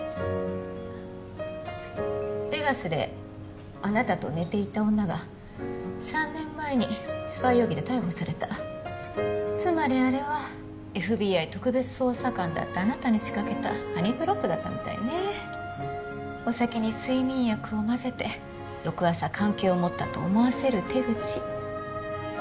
ベガスであなたと寝ていた女が３年前にスパイ容疑で逮捕されたつまりあれはＦＢＩ特別捜査官だったあなたに仕掛けたハニートラップだったみたいねお酒に睡眠薬をまぜて翌朝関係を持ったと思わせる手口